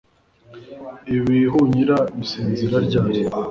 Ibihunyira bisinzira ryari